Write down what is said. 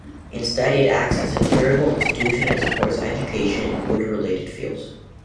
Instead, it acts as a charitable institution and supports education in wood-related fields.